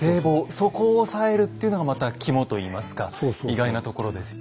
そこを押さえるっていうのがまた肝といいますか意外なところですよね。